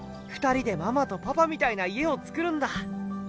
２人でママとパパみたいな家を作るんだ。